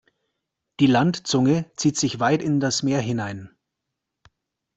Die Landzunge zieht sich weit in das Meer hinein.